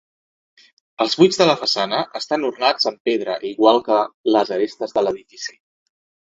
Els buits de la façana estan ornats amb pedra igual que les arestes de l'edifici.